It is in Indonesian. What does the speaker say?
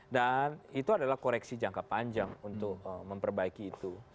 dan itu adalah koreksi jangka panjang untuk memperbaiki itu